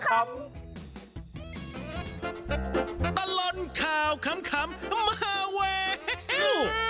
ตลอดข่าวขำมาเว้ย